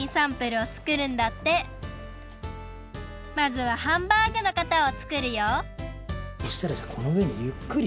まずはハンバーグのかたをつくるよそしたらこのうえにゆっくりぜんぶかける。